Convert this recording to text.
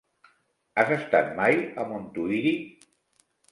Has estat mai a Montuïri?